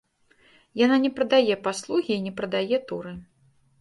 Яна не прадае паслугі і не прадае туры.